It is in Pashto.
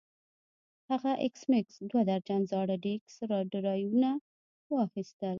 هلته ایس میکس دوه درجن زاړه ډیسک ډرایوونه واخیستل